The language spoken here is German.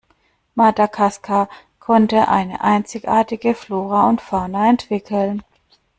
Madagaskar konnte eine einzigartige Flora und Fauna entwickeln.